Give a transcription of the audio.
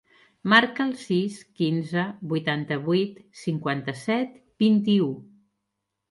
Marca el sis, quinze, vuitanta-vuit, cinquanta-set, vint-i-u.